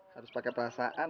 harus pakai perasaan